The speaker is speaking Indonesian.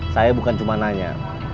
saya bukan cuma nanya